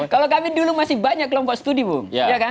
kalau kami dulu masih banyak kelompok studi bung